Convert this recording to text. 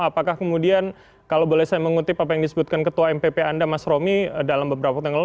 apakah kemudian kalau boleh saya mengutip apa yang disebutkan ketua mpp anda mas romi dalam beberapa waktu yang lalu